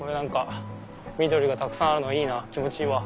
緑がたくさんあるのいいなぁ気持ちいいわ。